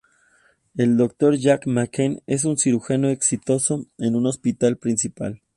El Dr. Jack McKee es un cirujano exitoso en un hospital principal.